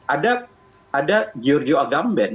ada ada giorgio agamben